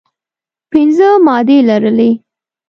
پنځه مادې لرلې.